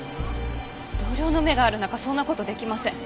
同僚の目がある中そんな事出来ません。